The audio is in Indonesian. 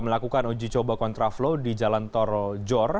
melakukan uji coba kontraflow di jalan toro jor